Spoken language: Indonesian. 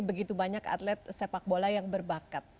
begitu banyak atlet sepak bola yang berbakat